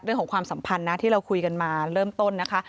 ความสัมพันธ์นะที่เราคุยกันมาเริ่มต้นนะคะ